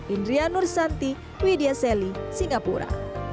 indria nursanti widya selly singapura